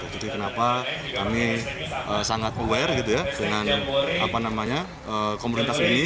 jadi kenapa kami sangat aware gitu ya dengan komunitas ini